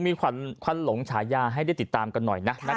เดี๋ยวฟังบรรยากาศหน่อยนะคะ